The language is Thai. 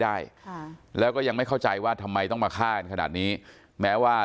ได้ค่ะแล้วก็ยังไม่เข้าใจว่าทำไมต้องมาฆ่ากันขนาดนี้แม้ว่า